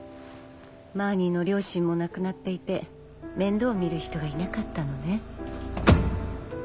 マーニーの両親も亡くなっていて面倒を見る人がいなかったのね。